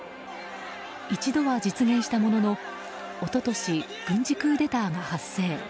一度は実現したものの一昨年、軍事クーデターが発生。